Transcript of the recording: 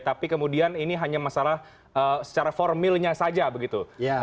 tapi kemudian ini hanya masalah secara formilnya saja begitu